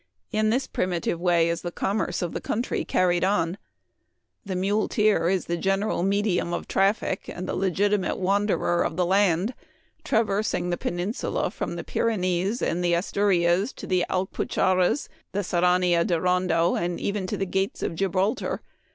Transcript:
In this primitive way is the commerce of the country carried on. The muleteer is the general medium of traffic and the legitimate wanderer of the land, trav ersing the Peninsula from the Pyrenees and the Memoir of Washington Irving. 209 Asturias to the Alpuxarras, the Serrania de Ronda, and even to the gates of Gibraltar.